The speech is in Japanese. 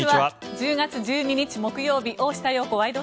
１０月１２日、木曜日「大下容子ワイド！